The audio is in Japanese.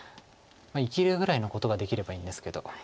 生きるぐらいのことができればいいんですけど。